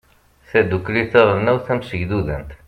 tadukli taɣelnawt tamsegdudant